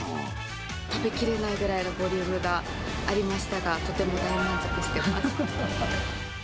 食べきれないぐらいのボリュームがありましたが、とても大満足しています。